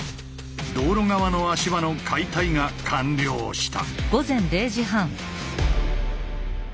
道路側の足場の解体が完了した。